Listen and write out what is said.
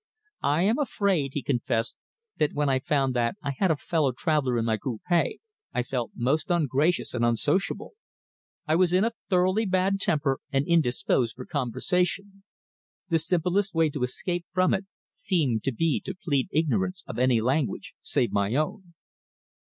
"I am afraid," he confessed, "that when I found that I had a fellow traveller in my coupe I felt most ungracious and unsociable. I was in a thoroughly bad temper and indisposed for conversation. The simplest way to escape from it seemed to be to plead ignorance of any language save my own."